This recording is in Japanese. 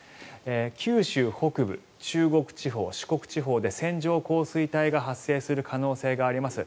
九州北部、中国地方、四国地方で線状降水帯が発生する可能性があります。